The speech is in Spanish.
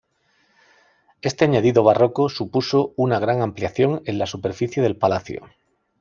Este añadido barroco supuso una gran ampliación en la superficie del palacio.